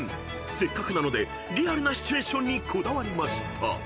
［せっかくなのでリアルなシチュエーションにこだわりました］